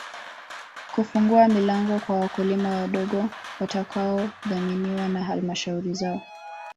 Kufungua milango kwa wakulima wadogo watakaodhaminiwa na Halmashauri zao